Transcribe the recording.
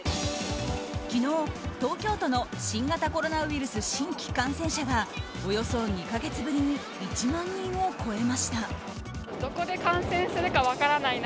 昨日、東京都の新型コロナウイルス新規感染者はおよそ２か月ぶりに１万人を超えました。